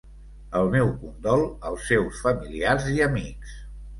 El meu condol al seus familiars i amics.